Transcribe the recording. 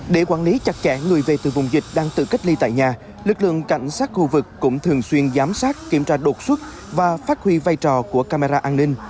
để quản lý chặt chẽ người về từ vùng dịch đang tự cách ly tại nhà lực lượng cảnh sát khu vực cũng thường xuyên giám sát kiểm tra đột xuất và phát huy vai trò của camera an ninh